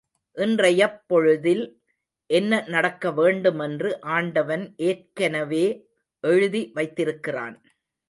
இன்றையப் பொழுதில் என்ன நடக்க வேண்டுமென்று ஆண்டவன் ஏற்கெனவே எழுதி வைத்திருக்கிறான்.